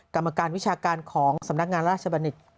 กรรมการวิชาการของสำนักงานราชบัณฑิต